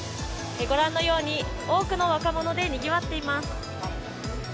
ご覧のように、多くの若者でにぎわっています。